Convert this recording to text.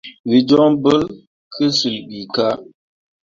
Wǝ jon bolle ki cil ɓii kah.